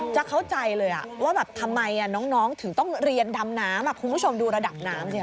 จะเข้าใจเลยว่าแบบทำไมน้องถึงต้องเรียนดำน้ำคุณผู้ชมดูระดับน้ำสิ